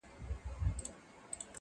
ته به مي شړې خو له ازل سره به څه کوو؟،